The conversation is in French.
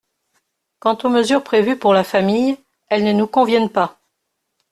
Quant aux mesures prévues pour la famille, elles ne nous conviennent pas.